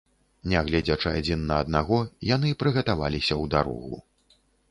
Не гледзячы адзін на аднаго, яны прыгатаваліся ў дарогу.